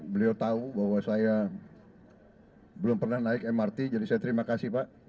beliau tahu bahwa saya belum pernah naik mrt jadi saya terima kasih pak